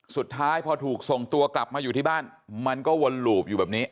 สุดท้ายพอถูกส่งตัวกลับมาอยู่ที่บ้านมันก็วนหลูบอยู่แบบนี้